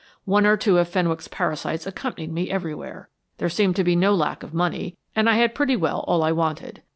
One or two of Fenwick's parasites accompanied me everywhere; there seemed to be no lack of money, and I had pretty well all I wanted.